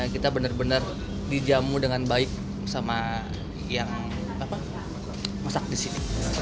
kita benar benar dijamu dengan baik sama yang masak di sini